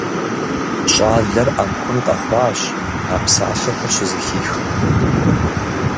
ЩӀалэр Ӏэнкун къэхъуащ, а псалъэхэр щызэхихым.